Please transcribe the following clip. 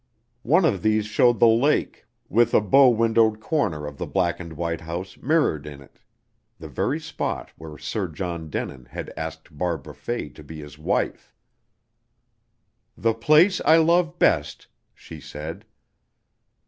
One of these showed the lake, with a bow windowed corner of the black and white house mirrored in it the very spot where Sir John Denin had asked Barbara Fay to be his wife. "The place I love best," she said.